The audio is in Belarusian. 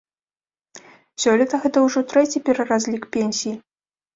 Сёлета гэта ўжо трэці пераразлік пенсій.